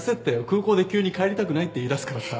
空港で急に帰りたくないって言いだすからさ。